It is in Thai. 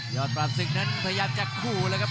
ยอดปรับศึกนั้นพยายามจะคู่เลยครับ